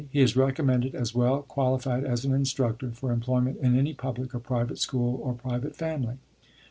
He is recommended as well qualified as an instructor, for employment in any public or private school or private family.